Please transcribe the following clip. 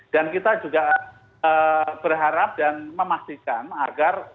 dan kita juga berharap dan memastikan agar